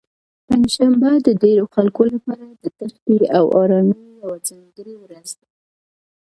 پنجشنبه د ډېرو خلکو لپاره د تېښتې او ارامۍ یوه ځانګړې ورځ ده.